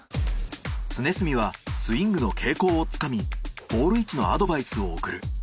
常住はスイングの傾向をつかみボール位置のアドバイスを送る。